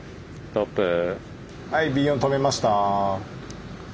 はいＢ４止めました。